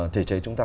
thể chế chúng ta